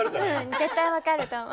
絶対分かると思う。